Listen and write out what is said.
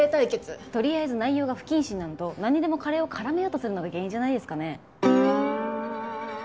とりあえず内容が不謹慎なのとなんにでもカレーを絡めようとするのが原因じゃないですかね？